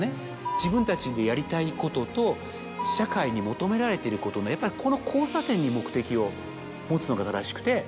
自分たちでやりたいことと社会に求められてることのやっぱりこの交差点に目的を持つのが正しくて。